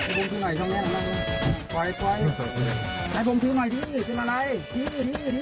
ปล่อยให้ผมทิ้งหน่อยส่องนี้ขอให้ผมทิ้งหน่อยดิซิ